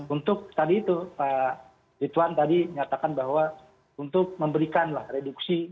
untuk tadi itu pak ridwan tadi nyatakan bahwa untuk memberikan reduksi